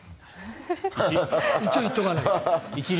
一応言っておかないと。